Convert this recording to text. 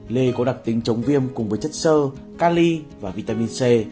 lê có đặc tính chống viêm cùng với chất sơ cali và vitamin c